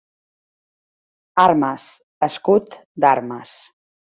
Armes, escut d'armes.